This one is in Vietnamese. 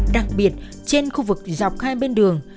đặc biệt trên khu vực dọc hai bên đường